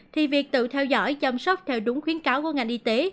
thì việc tự theo dõi chăm sóc theo đúng khuyến cáo của ngành y tế